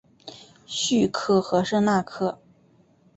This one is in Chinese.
叙克和圣纳克。